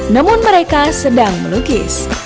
namun mereka sedang melukis